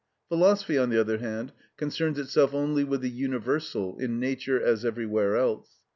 Philosophy, on the other hand, concerns itself only with the universal, in nature as everywhere else.